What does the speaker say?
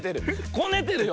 こねてるよ。